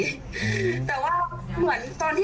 ตอนที่ตกประมือจะไปโดนน้องเด็กเซอร์ก็ขอโทษน้องของด้วย